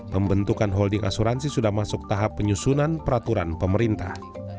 pembentukan holding asuransi sudah masuk tahap penyusunan peraturan pemerintah